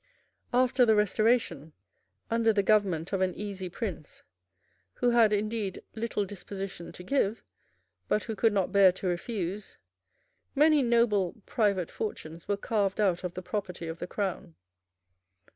After the Restoration, under the government of an easy prince, who had indeed little disposition to give, but who could not bear to refuse, many noble private fortunes were carved out of the property of the Crown.